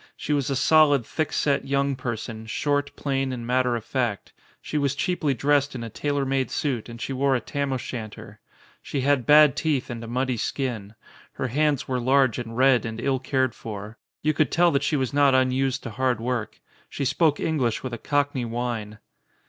She was a solid, thick set, young person, short, plain, and matter of fact. She was cheaply dressed in a tailor made suit and she wore a Tam o' shanter. She had bad teeth and a muddy skin. Her hands were large and red and ill cared for. You could tell that she was not unused to hard work. She •spoke English with a Cockney whine.